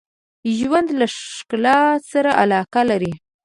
ژوندي له ښکلا سره علاقه لري